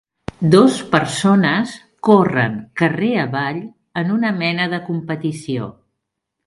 Dos persones corren carrer avall en una mena de competició.